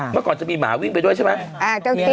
เมื่อก่อนจะมีหมาวิ่งไปด้วยใช่ไหม